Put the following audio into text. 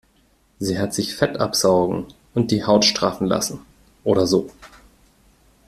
Sie hat sich Fett absaugen und die Haut straffen lassen oder so.